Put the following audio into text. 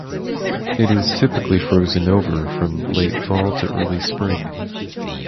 It is typically frozen over from late fall to early spring.